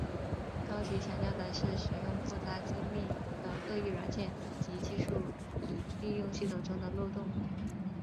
高级强调的是使用复杂精密的恶意软件及技术以利用系统中的漏洞。